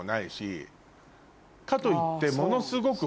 かといってものすごく。